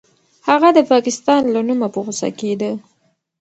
هغه د پاکستان له نومه په غوسه کېده.